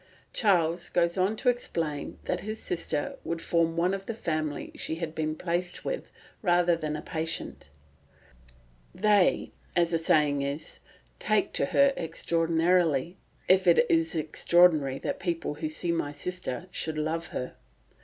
Charles goes on to explain that his sister would form one of the family she had been placed with rather than a patient. "They, as the saying is, take to her extraordinarily, if it is extraordinary that people who see my sister should love her.